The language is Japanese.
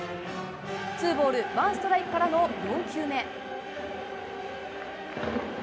ツーボールワンストライクからの４球目。